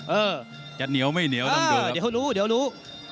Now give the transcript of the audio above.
เออเดี๋ยวเขารู้